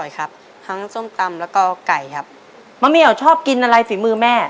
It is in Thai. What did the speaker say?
ครับทั้งส้มตำแล้วก็ไก่ครับมะเมียวชอบกินอะไรฝีมือแม่